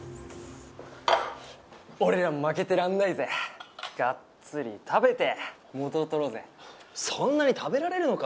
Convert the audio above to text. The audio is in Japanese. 俺らも負けてらんないぜガッツリ食べて元を取ろうぜそんなに食べられるのか？